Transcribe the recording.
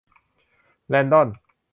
แลนดอน